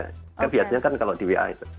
kebiasaannya kan kalau di wa itu